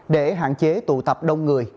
để hạn chế tụ tập đông người